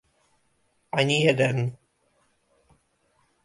Ani jeden!